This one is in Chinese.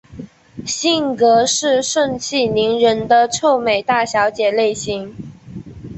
性格是盛气凌人的臭美大小姐类型。